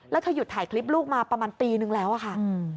แล้วเธอหยุดถ่ายคลิปลูกมาประมาณปีนึงแล้วอะค่ะ